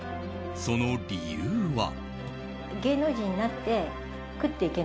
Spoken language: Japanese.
その理由は？